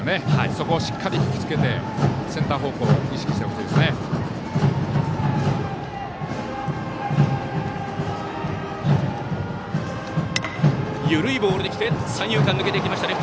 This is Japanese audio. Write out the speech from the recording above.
そこをしっかり引き付けてセンター方向を意識したいですね。